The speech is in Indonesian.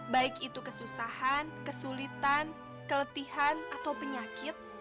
baik itu kesusahan kesulitan keletihan atau penyakit